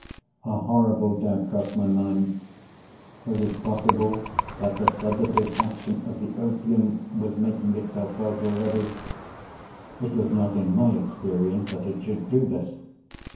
A horrible doubt crossed my mind. Was it possible that the sedative action of the opium was making itself felt already? It was not in my experience that it should do this.